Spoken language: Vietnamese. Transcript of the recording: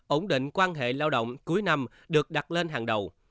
ổn định quan hệ lao động cuối năm được đặt lên hàng đầu